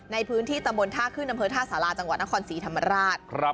ในพื้นที่ตำบลท่าขึ้นอำเภอท่าสาราจังหวัดนครศรีธรรมราช